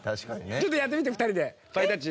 ちょっとやってみて２人でパイタッチ。